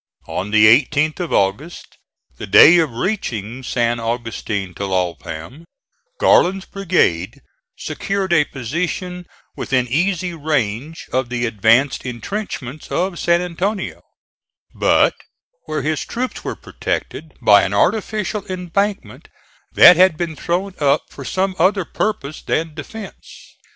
On the 18th of August, the day of reaching San Augustin Tlalpam, Garland's brigade secured a position within easy range of the advanced intrenchments of San Antonio, but where his troops were protected by an artificial embankment that had been thrown up for some other purpose than defense.